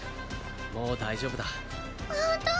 もう大丈夫だホント！？